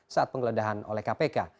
saat penggeledahan oleh kpk